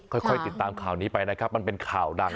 ค่อยติดตามข่าวนี้ไปนะครับมันเป็นข่าวดัง